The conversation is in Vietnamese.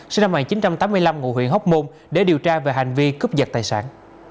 sinh năm một nghìn chín trăm tám mươi năm ngụ huyện hóc môn để điều tra về hành vi cướp giật tài sản